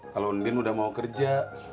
kalau din udah mau kerja